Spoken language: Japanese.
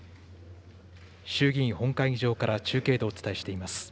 衆議院本会議場から中継でお伝えしています。